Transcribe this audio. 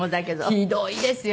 ひどいですよ